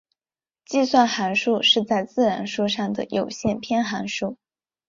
计算函数是在自然数上的有限偏函数。